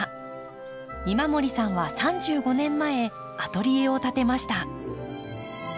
今森さんは３５年前アトリエを建てました。